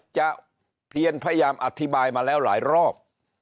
จะเพียนพยายามอธิบายมาแล้วหลายรอบ